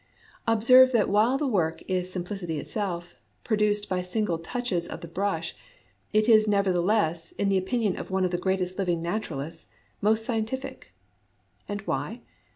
Observe that while the work is simpli city itself, "produced by single touches of the brush," it is nevertheless, in the opinion of one of the greatest living naturalists, " most scientific." And why